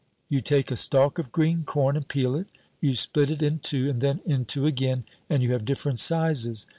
You take a stalk of green corn and peel it. You split it in two and then in two again, and you have different sizes.